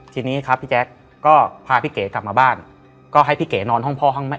ทีนี้ครับพี่แจ๊คก็พาพี่เก๋กลับมาบ้านก็ให้พี่เก๋นอนห้องพ่อห้องแม่